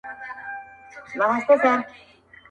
• پېښه ټول کلي لړزوي ډېر,